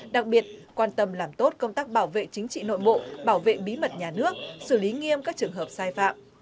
đặc biệt quan tâm làm tốt công tác bảo vệ chính trị nội bộ bảo vệ bí mật nhà nước xử lý nghiêm các trường hợp sai phạm